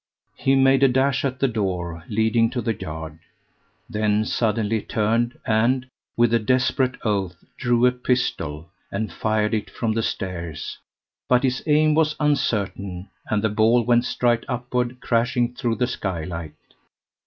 He made a dash at the door leading to the yard, then suddenly turned and, with a desperate oath, drew a pistol and fired it from the stairs; but his aim was uncertain, and the ball went straight upward crashing through the skylight.